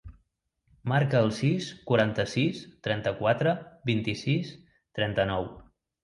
Marca el sis, quaranta-sis, trenta-quatre, vint-i-sis, trenta-nou.